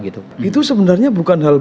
itu sebenarnya bukan hal